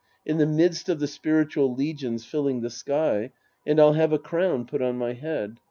In the midst of the spiritual legions filling the sky. And I'll have a crown put on my head.